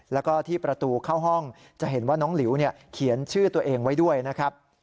แล้วก็ที่ประตูเข้าห้องจะเห็นว่าน้องหลิวเขียนชื่อตัวเองไว้ด้วยนะครับ